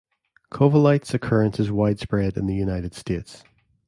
Covellite's occurrence is widespread in the United States.